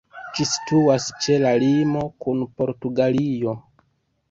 Ĝi situas ĉe la limo kun Portugalio.